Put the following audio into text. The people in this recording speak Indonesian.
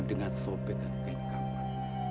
dengan sobek dan kain kamar